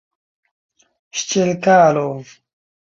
Ŝĉelkalov!